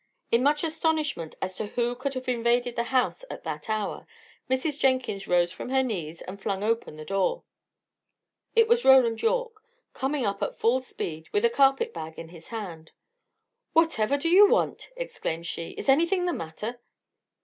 In much astonishment as to who could have invaded the house at that hour, Mrs. Jenkins rose from her knees and flung open the door. It was Roland Yorke, coming up at full speed, with a carpet bag in his hand. "Whatever do you want?" exclaimed she. "Is anything the matter?"